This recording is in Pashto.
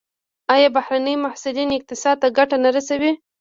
آیا بهرني محصلین اقتصاد ته ګټه نه رسوي؟